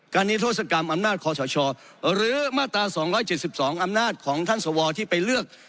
นิทธศกรรมอำนาจคอสชหรือมาตรา๒๗๒อำนาจของท่านสวที่ไปเลือก